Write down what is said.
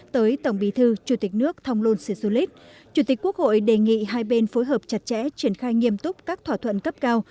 tới tổng bí thư chủ tịch nước thong lun si sulit chủ tịch quốc hội đề nghị hai bên phối hợp chặt chẽ triển khai nghiêm túc các thỏa thuận cấp cao